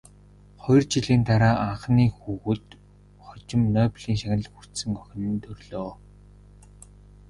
Хоёр жилийн дараа анхны хүүхэд, хожим Нобелийн шагнал хүртсэн охин нь төрлөө.